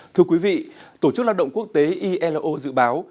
thưa quý vị tổ chức lao động quốc tế ilo dự báo